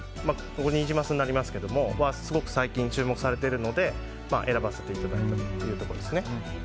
これはニジマスになりますがすごく最近注目されているので選ばせていただいたというところです。